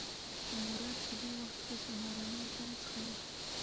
مراد په دې وخت کې سهارنۍ چای څښله.